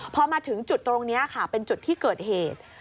พอมาถึงจุดตรงนี้ค่ะเป็นจุดที่เกิดเหตุ